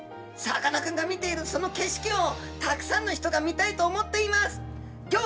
さかなクンが見ている、その景色を、たくさんの人が見たいと思っています。